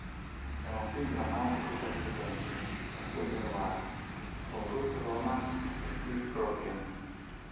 È un film drammatico statunitense a sfondo noir con Ruth Roman e Steve Cochran.